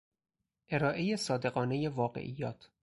ارائهی صادقانهی واقعیات